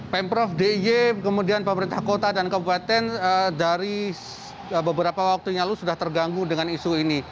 pemprov d i y kemudian pemerintah kota dan kabupaten dari beberapa waktunya lalu sudah terganggu dengan isu ini